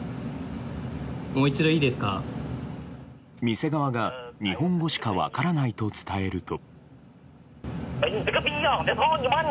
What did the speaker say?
店側が、日本語しか分からないと伝えると。